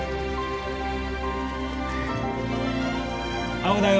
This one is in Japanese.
青だよ。